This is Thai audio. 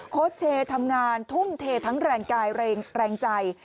โค้ชเชย์ทำงานทุ่มเททั้งแรงกายแรงใจ